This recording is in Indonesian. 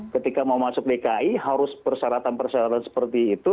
ketika mau masuk dki harus persyaratan persyaratan seperti itu